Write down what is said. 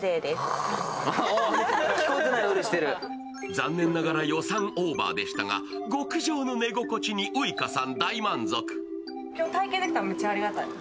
残念ながら予算オーバーでしたが極上の寝心地にウイカさん大満足。